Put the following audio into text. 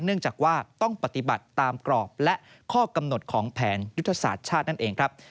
เนื่องจากว่าต้องปฏิบัติตามกรอบและข้อกำหนดของแผนยุทธศาสตร์ชาตินั่นเองครับ